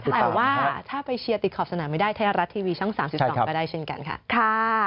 แต่ว่าถ้าไปเชียร์ติดขอบสนามไม่ได้ไทยรัฐทีวีช่อง๓๒ก็ได้เช่นกันค่ะ